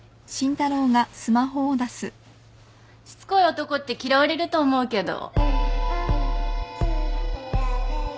しつこい男って嫌われると思うけど。